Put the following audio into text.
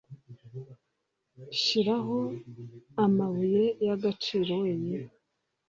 shiraho, amabuye y'agaciro wenyine,